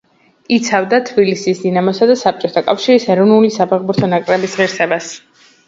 იცავდა თბილისის „დინამოსა“ და საბჭოთა კავშირის ეროვნული საფეხბურთო ნაკრების ღირსებას.